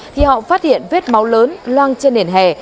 thì họ phát hiện vết máu lớn loang trên nền hè